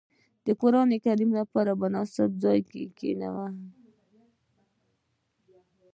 • د قران د تلاوت لپاره، مناسب ځای کې کښېنه.